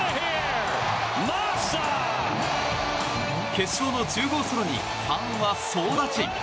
決勝の１０号ソロにファンは総立ち。